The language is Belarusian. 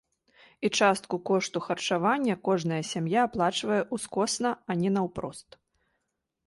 І частку кошту харчавання кожная сям'я аплачвае ўскосна, а не наўпрост.